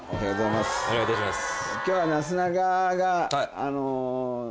お願いいたします。